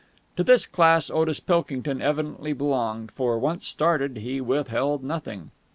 To this class Otis Pilkington evidently belonged, for, once started, he withheld nothing.